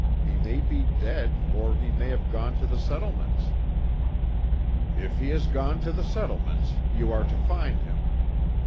He may be dead, or he may have gone to the settlements." "If he has gone to the settlements, you are to find him.